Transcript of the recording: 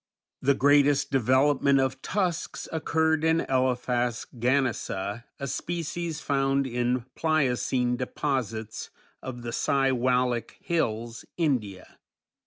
The greatest development of tusks occurred in Elephas ganesa, a species found in Pliocene deposits of the Siwalik Hills, India.